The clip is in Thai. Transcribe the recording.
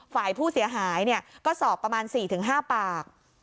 ฝ่ายผู้เสียหายเนี่ยก็สอบประมาณสี่ถึงห้าปาก